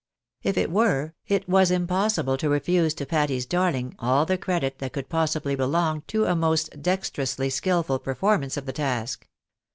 If it were, it was impossible to refuse to Patty's darling all the credit that could possibly belong to a most dextrously skilful performance of the task.